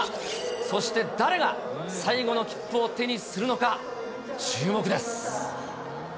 そして誰が最後の切符を手にするのか、注目です。